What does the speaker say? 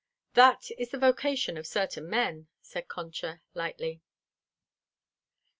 "That is the vocation of certain men," said Concha lightly.